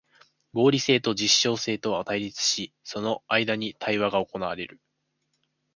合理性と実証性とは対立し、その間に対話が行われる。